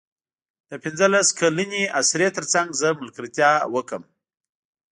د پنځلس کلنې اسرې تر څنګ زه ملګرتیا وکړم.